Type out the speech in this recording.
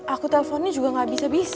aku telponnya juga gak bisa bisa